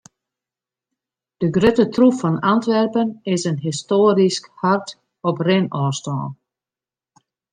De grutte troef fan Antwerpen is in histoarysk hart op rinôfstân.